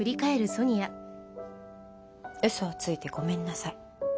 ウソをついてごめんなさい。